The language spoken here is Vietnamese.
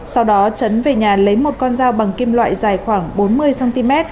sau đó trấn về nhà lấy một con dao bằng kim loại dài khoảng bốn mươi cm